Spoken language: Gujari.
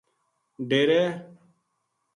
ڈیرے